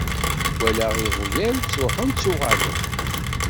Walaɣ iɣyal ttruḥen ttuɣalen.